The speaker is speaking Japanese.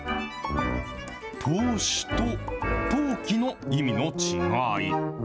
投資と投機の意味の違い。